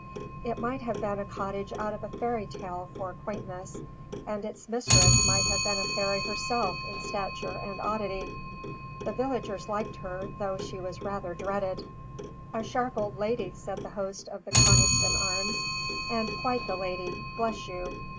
It might have been a cottage out of a fairy tale for quaintness; and its mistress might have been a fairy herself in stature and oddity. The villagers liked her, though she was rather dreaded. "A sharp old lady," said the host of the Conniston Arms, "and quite the lady, bless you!